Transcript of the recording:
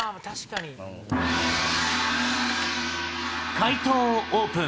解答をオープン。